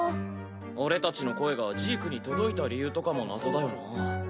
俺たちの声がジークに届いた理由とかも謎だよな。